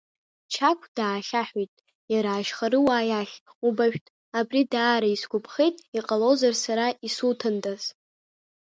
Чагә, даахьаҳәит иара Ашьхаруа иахь, убаашәт, абри даара исгәаԥхеит, иҟалозар, сара исуҭандаз!